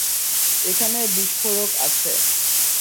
এখানে বিস্ফোরক আছে।